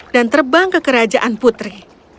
dan terbang ke kerajaan putri